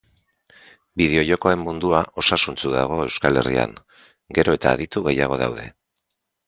Bideojokoen mundua osasuntsu dago Euskal Herrian, gero eta aditu gehiago daude